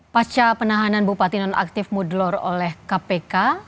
pasca penahanan bupati nonaktif mudlor oleh kpk